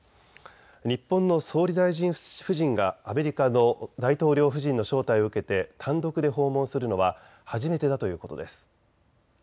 日本の総理大臣夫人がアメリカの大統領夫人の招待を受けて単独で訪問するのは初めてだということです。